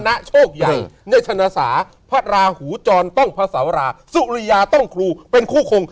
นี้ชนษาราหูจอนต้องเกิดชนภาพภาพภาราตั้งหลายต้องครูเป็นคู่คง